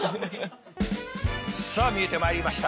さあ見えてまいりました。